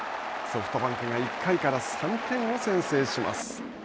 ソフトバンクが１回から３点を先制します。